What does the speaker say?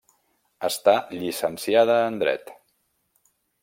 Està llicenciada en dret.